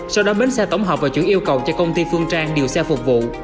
sau đó bến xe tổng hợp và chuyển yêu cầu cho công ty phương trang điều xe phục vụ